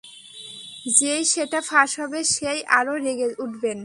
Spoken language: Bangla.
যেই সেটা ফাঁস হবে সে-ই আরো রেগে উঠবেন।